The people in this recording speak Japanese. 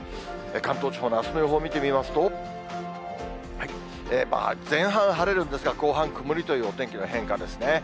関東地方のあすの予報を見てみますと、前半晴れるんですが、後半、曇りというお天気の変化ですね。